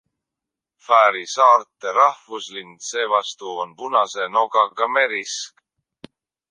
Fääri saarte rahvuslind seevastu on punase nokaga merisk.